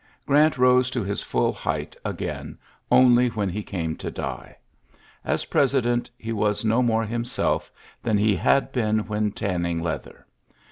Grant rose to his fiill height again only when he came to die. As president, he was no more himself than he had been when tanning leather.